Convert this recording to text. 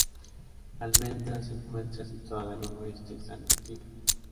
Almendra se encuentra situada en el noroeste salmantino.